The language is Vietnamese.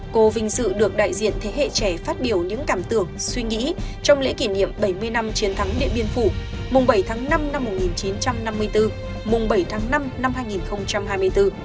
cô vinh dự được đại diện thế hệ trẻ phát biểu những cảm tưởng suy nghĩ trong lễ kỷ niệm bảy mươi năm chiến thắng điện biên phủ mùng bảy tháng năm năm một nghìn chín trăm năm mươi bốn mùng bảy tháng năm năm hai nghìn hai mươi bốn